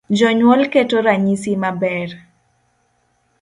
Jonyuol keto ranyisi maber.